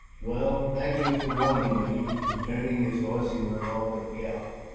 "Well, thank you for warning me," and turning his horse, he went off at a gallop.